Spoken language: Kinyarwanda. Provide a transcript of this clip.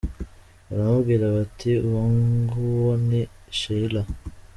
Baramubwira bati : uwo nguwo ni Sheila.